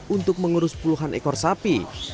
untuk mengurus puluhan ekor sapi